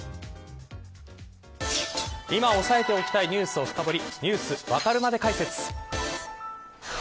今押さえておきたいニュースを深掘りＮｅｗｓわかるまで解説。